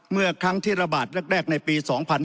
เมื่อครั้งที่ระบาดแรกในปี๒๕๕๙